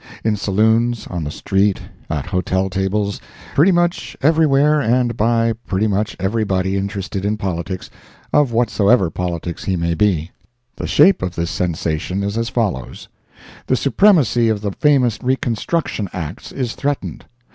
In saloons, on the street, at hotel tables—pretty much everywhere and by pretty much everybody interested in politics, of whatsoever politics he may be. The shape of this sensation is as follows: The supremacy of the famous Reconstruction Acts is threatened.